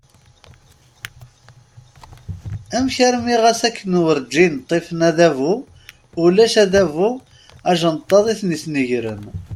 Amek armi ɣas akken urǧin ṭṭifen adabu, ulac adabu ajenṭaḍ i ten-yesnegren.